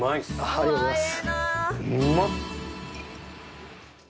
ありがとうございます。